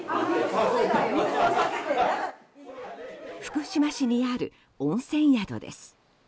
福島市にある温泉宿です。